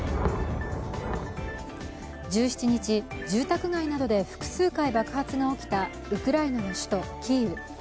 １７日、住宅街などで複数回、爆発が起きたウクライナの首都キーウ。